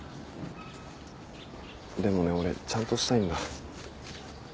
でもね俺ちゃんとしたいんだ。